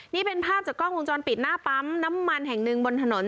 นี่เป็นภาพจากกล้องวงจรปิดหน้าปั๊มน้ำมันแห่งหนึ่งบนถนน